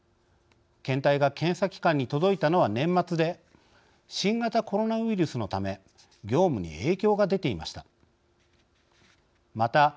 検体が検査機関に届いたのは年末で新型コロナウイルスのため業務に影響が出ていました。